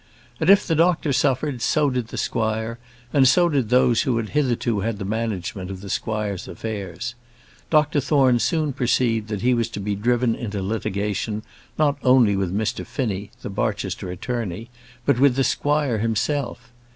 And if the doctor suffered so did the squire, and so did those who had hitherto had the management of the squire's affairs. Dr Thorne soon perceived that he was to be driven into litigation, not only with Mr Finnie, the Barchester attorney, but with the squire himself.